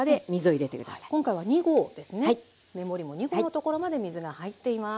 目盛りも２合のところまで水が入っています。